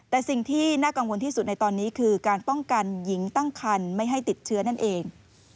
แต่สิ่งที่น่ากังวลที่สุดในตอนนี้คือการป้องกันหญิงตั้งคันไม่ให้ติดเชื้อนั่นเอง